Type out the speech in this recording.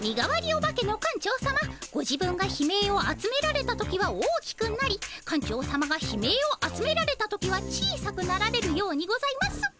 お化けの館長さまご自分が悲鳴を集められた時は大きくなり館長さまが悲鳴を集められた時は小さくなられるようにございます。